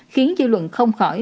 khiến dư luận không khỏi